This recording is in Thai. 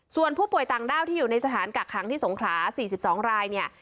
ส่วนผู้ป่วยต่างด้าวที่อยู่ในสถานกักขังที่สงขลา๔๒รายเนี่ย